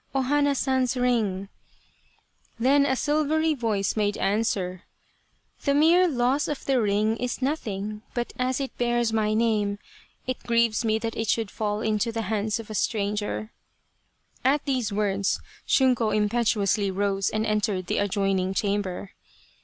O Hana San's ring ..." 254 A Cherry Flower Idyll Then a silvery voice made answer :" The mere loss of the ring is nothing, but as it bears my name, it grieves me that it should fall into the hands of a stranger." At these words Shunko impetuously rose and entered the adjoini .g chamber.